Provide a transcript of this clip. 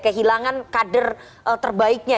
kehilangan kader terbaiknya